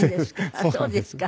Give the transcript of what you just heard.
あっそうですか。